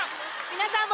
⁉皆さん